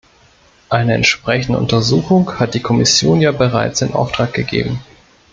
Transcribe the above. Eine entsprechende Untersuchung hat die Kommission ja bereits in Auftrag gegeben.